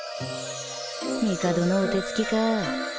帝のお手つきか